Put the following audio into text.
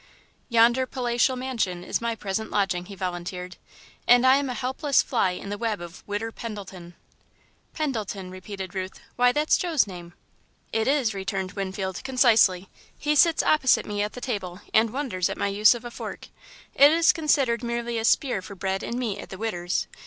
"Yonder palatial mansion is my present lodging," he volunteered, "and I am a helpless fly in the web of the 'Widder' Pendleton." "Pendleton," repeated Ruth; "why, that's Joe's name." "It is," returned Winfield, concisely. "He sits opposite me at the table, and wonders at my use of a fork. It is considered merely a spear for bread and meat at the 'Widder's.'